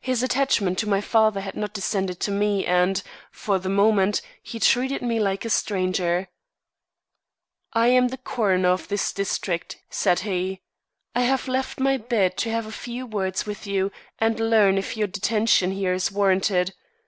His attachment to my father had not descended to me and, for the moment, he treated me like a stranger. "I am the coroner of this district," said he. "I have left my bed to have a few words with you and learn if your detention here is warranted.